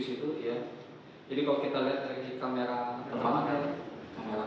situ di makam makam kan yang berbeda